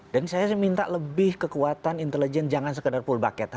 dan saya minta lebih kekuatan intelijen jangan sekedar pull bucket